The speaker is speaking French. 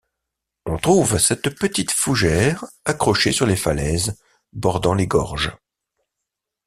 On trouve cette petite fougère accrochée sur les falaises bordant les gorges.